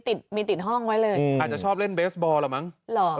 ติดมีติดห้องไว้เลยอืมอาจจะชอบเล่นเบสบอลเหรอมั้งเหรอ